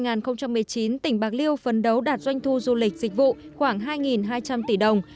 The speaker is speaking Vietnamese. năm hai nghìn một mươi chín tỉnh bạc liêu phấn đấu đạt doanh thu du lịch dịch vụ khoảng hai hai trăm linh tỷ đồng